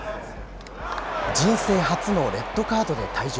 人生初のレッドカードで退場。